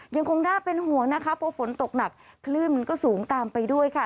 ยังคงน่าเป็นห่วงนะคะเพราะฝนตกหนักคลื่นมันก็สูงตามไปด้วยค่ะ